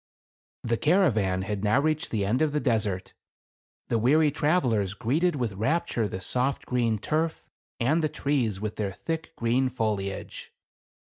J The caravan had now reached the end of the desert. The weary travelers greeted with rap ture the soft green turf and the trees with their thick green foliage.